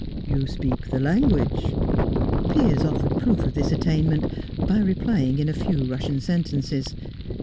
"You speak the language?" Piers offered proof of this attainment, by replying in a few Russian sentences.